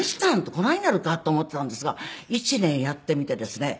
こないなるかと思っていたんですが１年やってみてですね